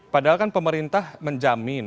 padahal kan pemerintah menjamin